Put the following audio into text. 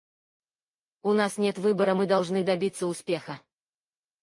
У нас нет выбора; мы должны добиться успеха.